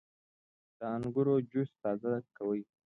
• د انګورو جوس تازه کوي.